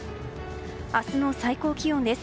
明日の最高気温です。